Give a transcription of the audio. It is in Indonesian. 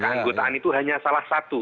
keanggotaan itu hanya salah satu